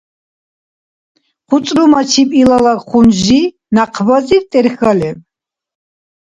ХъуцӀрумачир илала хунжи, някъбазиб тӀерхьа лер.